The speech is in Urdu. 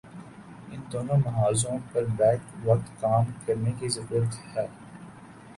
ان دونوں محاذوں پر بیک وقت کام کرنے کی ضرورت ہے۔